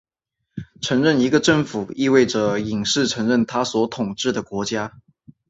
承认一个政府意味着隐式承认它所统治的国家。